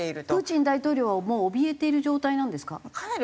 プーチン大統領はもうおびえている状態なんですか？